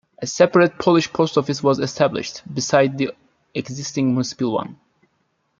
A separate Polish post office was established, besides the existing municipal one.